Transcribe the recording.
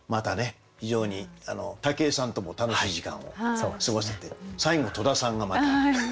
非常に武井さんとも楽しい時間を過ごせて最後戸田さんがまた。